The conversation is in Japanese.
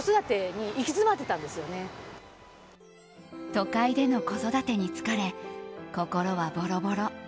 都会での子育てに疲れ心はボロボロ。